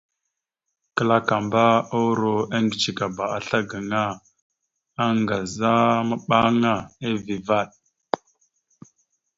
Klakamba uuro eŋgcekaba assla gaŋa, aaŋgaza maɓaŋa, eeve vvaɗ.